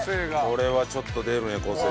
これはちょっと出るね個性が。